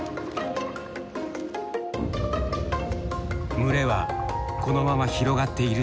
群れはこのまま広がっているのか。